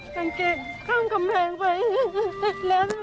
ซากตอนมีประสุนที่จะรีบยุ่งขึ้น